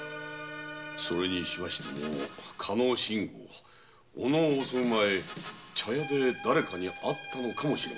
それにしましても加納信吾小野を襲う前に茶屋でだれかに会ったのかもしれませんな。